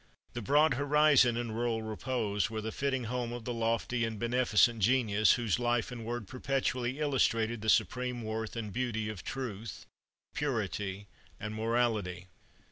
The broad horizon and rural repose were the fitting home of the lofty and beneficent genius whose life and word perpetually illustrated the supreme worth and beauty of truth, purity, and morality.